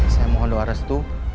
saya mau doa restu